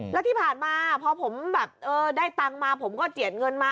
แล้วที่ผ่านมาพอผมแบบได้ตังค์มาผมก็เจียดเงินมา